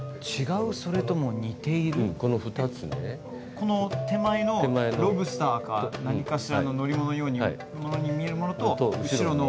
この手前のロブスターか何かしらの乗り物のように見えるものと後ろの。